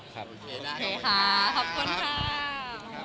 โอเคได้ค่ะขอบคุณค่ะ